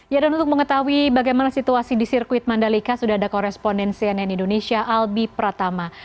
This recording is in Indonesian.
ya dan untuk mengetahui bagaimana situasi di sirkuit mandalika sudah ada koresponden cnn indonesia albi pratama